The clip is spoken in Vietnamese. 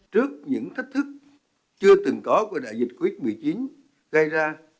trước những thách thức chưa từng có của đại dịch covid một mươi chín gây ra